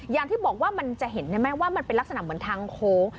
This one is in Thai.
อย่างที่บอกว่ามันจะเห็นได้ไหมว่ามันเป็นลักษณะเหมือนทางโค้ง